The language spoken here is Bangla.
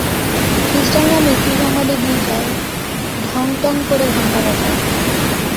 খ্রিষ্টানরা মৃত্যুসংবাদে গির্জায় ঢং-টং করে ঘন্টা বাজায়।